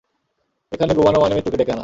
এখানে ঘুমানো মানে মৃত্যুকে ডেকে আনা।